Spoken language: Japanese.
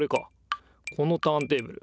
このターンテーブル。